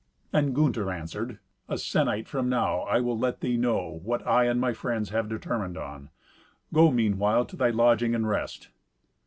And Gunther answered, "A sennight from now I will let thee know what I and my friends have determined on. Go meanwhile to thy lodging and rest."